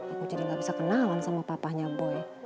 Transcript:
aku jadi gak bisa kenalan sama papanya boy